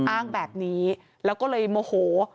อ้างแบบนี้แล้วก็เลยโมโห